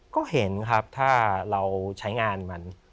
ก็เห็นครับถ้าเราใช้งานมัน